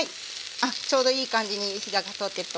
あっちょうどいい感じに火が通ってると思います。